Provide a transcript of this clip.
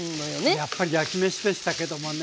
やっぱり焼きめしでしたけどもね。